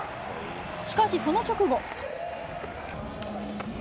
しかし、その直後。